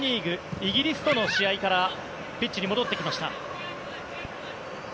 イギリスとの試合からピッチに戻ってきました。